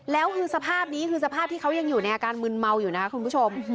แล้วคือสภาพนี้คือสภาพที่เขายังอยู่ในอาการมึนเมาอยู่นะคะคุณผู้ชม